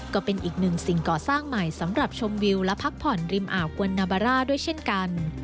ก็เป็นอีกหนึ่งสิ่งก่อสร้างใหม่สำหรับชมวิวและพักผ่อนริมอ่าวกวนนาบาร่าด้วยเช่นกัน